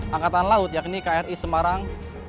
angkatan laut yakni kri semarang